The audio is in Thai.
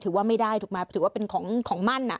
ถือว่าไม่ได้ถูกมาถือว่าเป็นของของมั่นอ่ะ